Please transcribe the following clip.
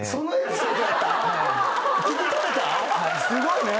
すごい。